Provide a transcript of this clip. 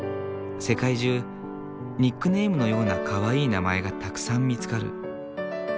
世界中ニックネームのようなかわいい名前がたくさん見つかる。